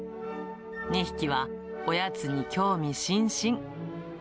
２匹はおやつに興味津々。